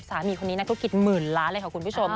สามีคนนี้น่านักธุรกิจหมื่นล้านบอล์เลยคุณผู้ชมค่ะ